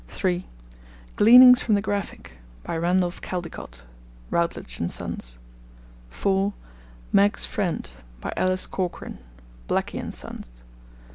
(3) Gleanings from the 'Graphic.' By Randolph Caldecott. (Routledge and Sons.) (4) Meg's Friend. By Alice Corkran. (Blackie and Sons.)